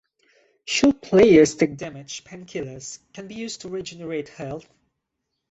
Should players take damage, painkillers can be used to regenerate health.